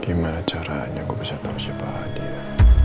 gimana caranya kok bisa tahu siapa dia